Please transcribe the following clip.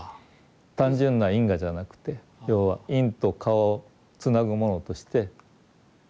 単純な因果じゃなくて要は因と果をつなぐものとして縁があると。